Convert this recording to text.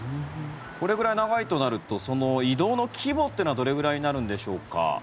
これぐらい長いとなると移動の規模というのはどれぐらいになるんでしょうか。